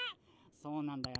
そうなんだよな。